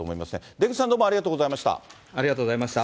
出口さん、どうもありがとうござありがとうございました。